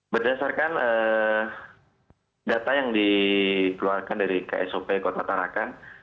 berdasarkan data yang dikeluarkan dari ksop kota tarakan